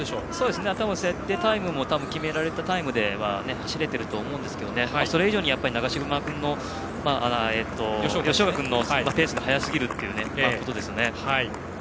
多分、設定タイムも決められたタイムでは走れていると思いますがそれ以上に吉岡君のペースが速すぎるということです。